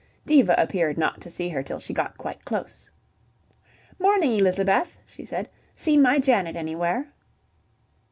Diva appeared not to see her till she got quite close. "Morning, Elizabeth," she said. "Seen my Janet anywhere?"